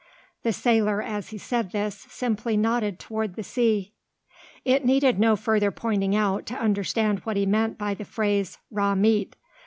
The sailor, as he said this, simply nodded toward the sea. It needed no further pointing out to understand what he meant by the phrase "raw meat."